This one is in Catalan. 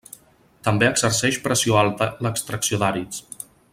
També exerceix pressió alta l'extracció d'àrids.